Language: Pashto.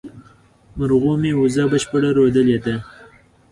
مرغومي، وزه بشپړه رودلې ده